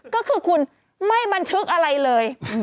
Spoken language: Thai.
ก็คือคุณไม่บันทึกอะไรเลย